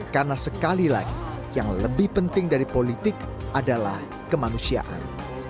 karena sekali lagi yang lebih penting dari politik adalah kemanusiaan